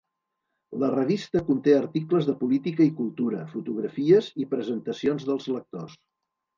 La revista conté articles de política i cultura, fotografies, i presentacions dels lectors.